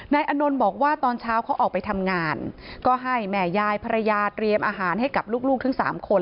อนนท์บอกว่าตอนเช้าเขาออกไปทำงานก็ให้แม่ยายภรรยาเตรียมอาหารให้กับลูกทั้งสามคน